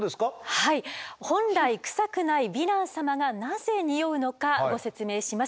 はい本来クサくないヴィラン様がなぜにおうのかご説明します。